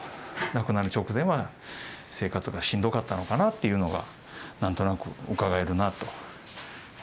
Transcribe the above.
亡くなる直前は生活がしんどかったのかなっていうのが何となくうかがえるなと。